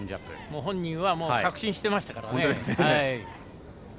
もう本人は確信していましたからね。